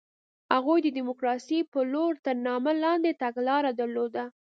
هغوی د ډیموکراسۍ په لور تر نامه لاندې تګلاره درلوده.